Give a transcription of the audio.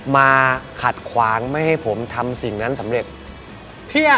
มาขัดขวางไม่ให้ผมทำสิ่งนั้นสำเร็จ